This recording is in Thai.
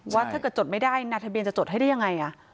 ว่าถ้าเธอก็จดไม่ได้ณทะเบียนจะจดให้ได้ยังไง